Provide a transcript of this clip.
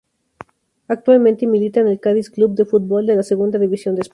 Actualmente milita en el Cádiz Club de Fútbol de la Segunda División de España.